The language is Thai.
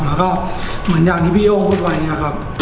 แล้วก็เหมือนอย่างที่พี่โอ้พูดไว้เนี่ยครับ